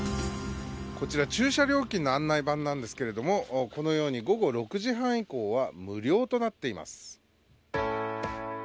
こちら、駐車料金の案内板なんですけれどもこのように午後６時半以降は無料となっています。